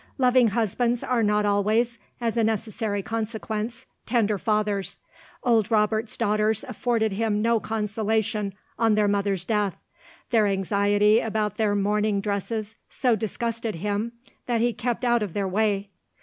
Loving husbands are not always, as a necessary consequence, tender fathers. Old Robert's daughters afforded him no consolation on their mother's death. Their anxiety about their mourning dresses so disgusted him that he kept out of their way.